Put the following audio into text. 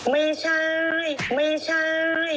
ไม่ใช่